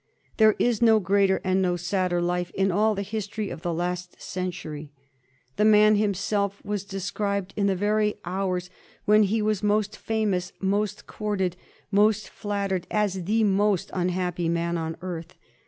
There is no greater and no sadder life in all the history of the last century. The man himself was described in the very hours when he was most famous^ most courted, mctt flattered, as the most unhappy man on earth.